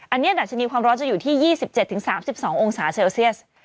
อันนี้ดัชนีความร้อนจะอยู่ที่๒๗๓๒องศาเซลเซียส